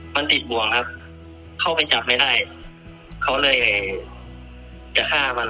มันติดบ่วงครับ